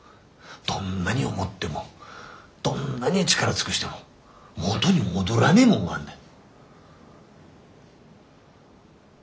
どんなに思ってもどんなに力尽くしても元に戻らねえもんがあんだよ。